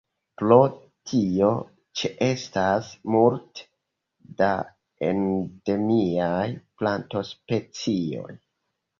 Pro tio ĉeestas multe da endemiaj plantospecioj.